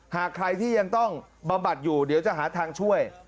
หากใครที่ยังต้องบำบัดอยู่เดี๋ยวจะหาทางช่วย